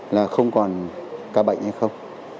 là không còn ca bệnh hay không